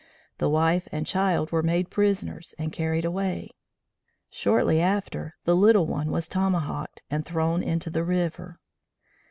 The wife and child were made prisoners and carried away. Shortly after the little one was tomahawked and thrown into the river.